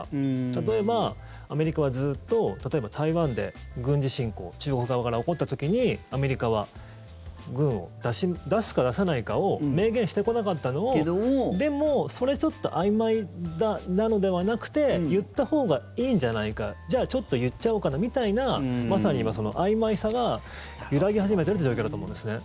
例えば、アメリカはずっと例えば台湾で軍事侵攻中国側から起こった時にアメリカは軍を出すか出さないかを明言してこなかったのをでも、それちょっとあいまいなのではなくて言ったほうがいいんじゃないかじゃあちょっと言っちゃおうかなみたいなまさに今、あいまいさが揺らぎ始めているという状況だと思うんですね。